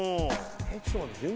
ちょっと待って。